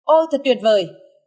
ôi thật tuyệt vời